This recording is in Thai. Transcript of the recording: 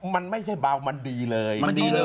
มันไม่ใช่เบามันดีเลย